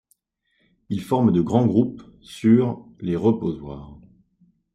Il forme de grands groupes sur les reposoirs.